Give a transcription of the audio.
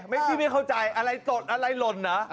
ไม่คิดว่าเข้าใจอะไรสดอะไรหล่นน่ะ